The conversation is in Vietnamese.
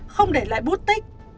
không để lại bút tích